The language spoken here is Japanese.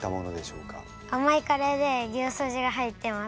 甘いカレーで牛すじが入ってます。